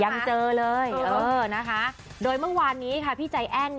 ยังเจอเลยโดยเมื่อวานนี้พี่ใจแอ้น